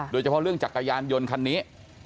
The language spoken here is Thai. โดยเฉพาะเรื่องจักรยานยนต์คันนี้